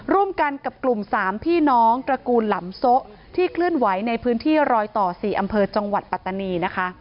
ร่วมกันกับกลุ่ม๓พี่น้องตระกูลหลำโซะที่เคลื่อนไหวในพื้นที่รอยต่อ๔อำเภอจังหวัดปัตตานีนะคะ